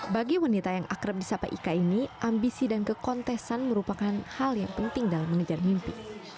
bagi wanita yang akrab di sapa ika ini ambisi dan kekontesan merupakan hal yang penting dalam mengejar mimpi